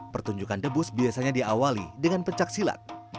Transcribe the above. pertunjukan debus biasanya diawali dengan pencak silat